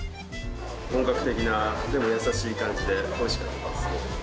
本格的な、でも優しい感じでおいしかったですね。